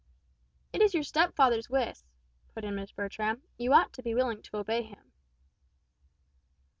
"It is your stepfather's wish," put in Miss Bertram; "you ought to be willing to obey him."